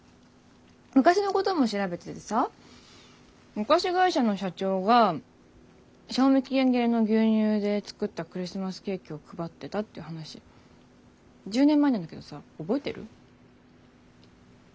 昔のことも調べててさお菓子会社の社長が賞味期限切れの牛乳で作ったクリスマスケーキを配ってたって話１０年前なんだけどさ覚えてる？